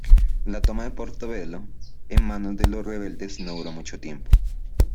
La toma de Portobelo en manos de los rebeldes no duró mucho tiempo.